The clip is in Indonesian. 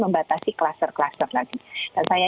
membatasi kluster kluster lagi dan saya